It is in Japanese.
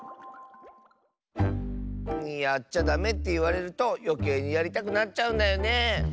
やっちゃダメっていわれるとよけいにやりたくなっちゃうんだよねえ。